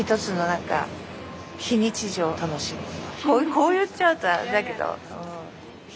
こう言っちゃうとあれだけど。